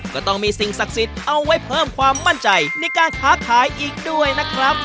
ก็ต้องมีสิ่งศักดิ์สิทธิ์เอาไว้เพิ่มความมั่นใจในการค้าขายอีกด้วยนะครับ